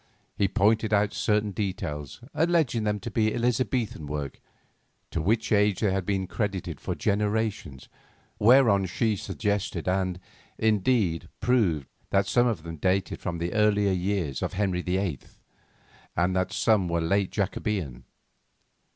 He pointed out certain details, alleging them to be Elizabethan work, to which age they had been credited for generations, whereon she suggested and, indeed, proved, that some of them dated from the earlier years of Henry VIII., and that some were late Jacobean.